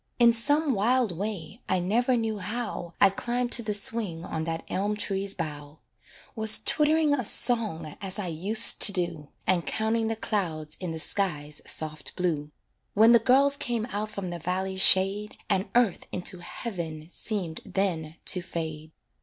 In some wild way, I never knew how, I climbed to the swing on that elm tree's bough; Was twitt'ring a song as I used to do, And counting the clouds in the sky's soft blue, When the girls came out from the valley's shade, And earth into heaven seemed then to fade.